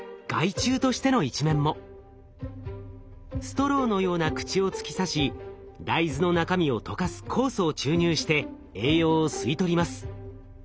ストローのような口を突き刺し大豆の中身を溶かす酵素を注入して栄養を吸い取ります。